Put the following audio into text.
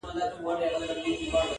زما د ټوله ژوند تعبیر را سره خاندي-